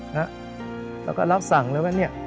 แล้วก็รับสั่งเลยว่า